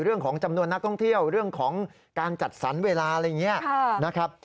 เรื่องของจำนวนนักท่องเที่ยวเรื่องของการจัดสรรเวลาอะไรอย่างนี้นะครับ